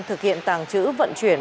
thực hiện tàng trữ vận chuyển